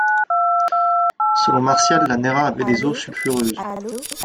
Selon Martial, la Néra avait des eaux sulfureuses.